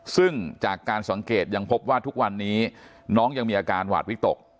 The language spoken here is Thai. ซึ่งจากการสังเกตยังพบว่าทุกวันนี้น้องยังมีอาการหวาดวิตก